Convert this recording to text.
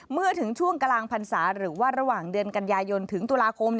เมื่อถึงช่วงกลางพรรษาหรือว่าระหว่างเดือนกันยายนถึงตุลาคม